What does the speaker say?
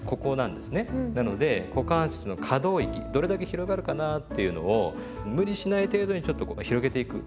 なので股関節の可動域どれだけ広がるかなっていうのを無理しない程度にちょっとこう広げていく。